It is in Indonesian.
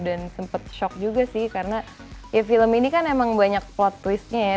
dan sempet shock juga sih karena ya film ini kan emang banyak plot twistnya ya